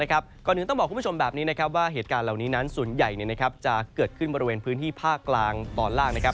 ก่อนอื่นต้องบอกคุณผู้ชมแบบนี้นะครับว่าเหตุการณ์เหล่านี้นั้นส่วนใหญ่จะเกิดขึ้นบริเวณพื้นที่ภาคกลางตอนล่างนะครับ